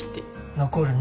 残るね。